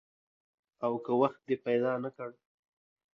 او که وخت دې پیدا نه کړ؟